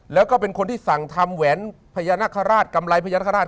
แล้วก็เป็นคนที่สั่งทำแหวนเพื่อนพญานาคคำไรพญานาค